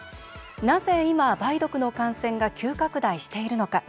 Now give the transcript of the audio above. なぜ今、梅毒の感染が急拡大しているのか。